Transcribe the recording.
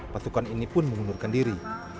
pasukan ini pun mengundurkan diri